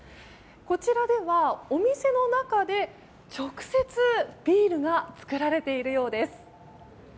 こちらでは、お店の中で直接、ビールが作られているようです。